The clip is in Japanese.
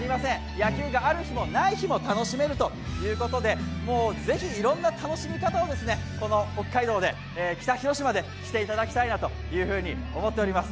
野球がある日もない日も楽しめるということで、是非いろんな楽しみ方をこの北海道で、北広島でしていただきたいなと思っております。